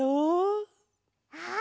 ああ！